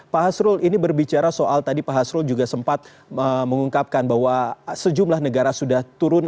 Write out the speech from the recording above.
pak hasrul ini berbicara soal tadi pak hasrul juga sempat mengungkapkan bahwa sejumlah negara sudah turun